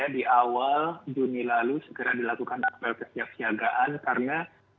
di awal juni lalu segera dilakukan apel kesiapsiagaan karena